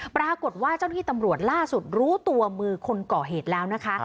เจ้าหน้าที่ตำรวจล่าสุดรู้ตัวมือคนก่อเหตุแล้วนะคะ